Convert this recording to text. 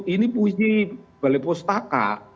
ini puisi balai postaka